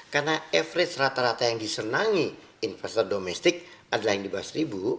karena average rata rata yang disenangi investor domestik adalah yang di bawah seribu